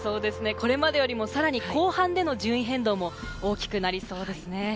これまでよりもさらに後半での順位変動も大きくなりそうですね。